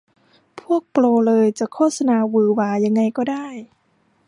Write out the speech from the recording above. พวกโปรเลยจะโฆษณาหวือหวายังไงก็ได้